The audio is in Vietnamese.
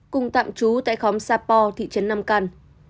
cùng tạm trú tại khóm sà pò thị trấn năm căn